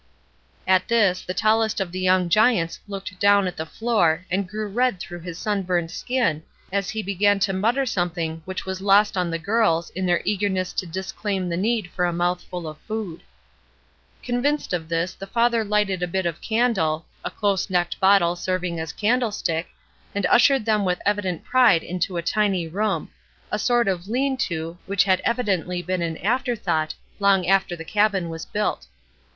At this, the tallest of the young giants looked down at the floor and grew red through his sunburnt skin as he began to mutter something which was lost on the girls in their eagerness to disclaim the need for a mouthful of food. Convinced of this, the father hghted a bit of candle, a close necked bottle serving as candle stick, and ushered them with evident pride into a tiny room; a sort of "lean to," which had evidently been an afterthought, long after the cabin was built.